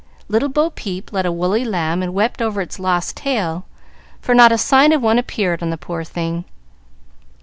Little "Bo Peep" led a woolly lamb and wept over its lost tail, for not a sign of one appeared on the poor thing.